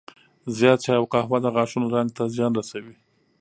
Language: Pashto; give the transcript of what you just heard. زیات چای او قهوه د غاښونو رنګ ته زیان رسوي.